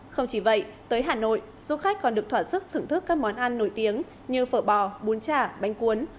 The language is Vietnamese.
không chỉ vậy tới hà nội du khách còn được thỏa sức thưởng thức các món ăn nổi tiếng như phở bò bún chả bánh cuốn